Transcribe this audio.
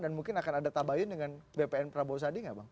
dan mungkin akan ada tabayun dengan bpn prabowo sadi